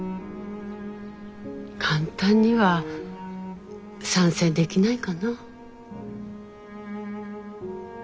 簡単には賛成できないかな。